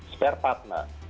spare part mbak